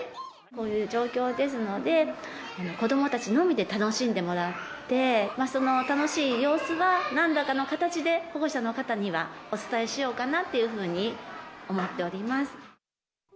こういう状況ですので、子どもたちのみで楽しんでもらって、その楽しい様子は、なんらかの形で保護者の方には、お伝えしようかなというふうに思っております。